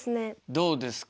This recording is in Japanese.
どうですか？